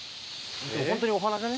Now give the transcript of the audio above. ホントにお花じゃね？